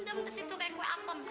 mendem di situ kayak kue apem